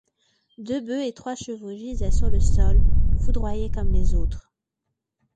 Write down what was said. Deux bœufs et trois chevaux gisaient sur le sol, foudroyés comme les autres.